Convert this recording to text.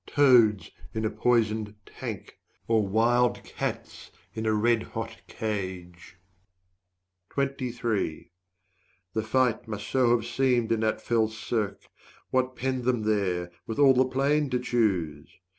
Toads in a poisoned tank, Or wild cats in a red hot iron cage The fight must so have seemed in that fell cirque. What penned them there, with all the plain to choose?